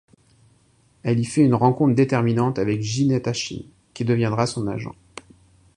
Elle y fait une rencontre déterminante avec Ginette Achim, qui deviendra son agent.